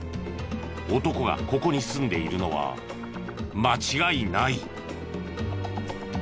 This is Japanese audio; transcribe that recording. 男がここに住んでいるのは間違いない。